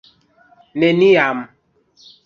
Neniam.